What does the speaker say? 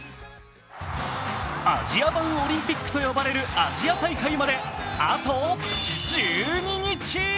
アジア版オリンピックと呼ばれるアジア大会まであと１２日。